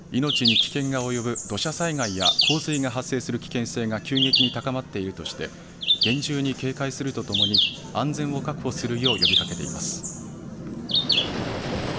気象台は命に危険が及ぶ土砂災害や洪水が発生する危険性が急激に高まっているとして厳重に警戒するとともに安全を確保するよう呼びかけています。